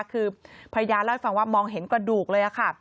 คือพยานเล่าให้ฟังว่ามองเห็นกระดูกเลยค่ะ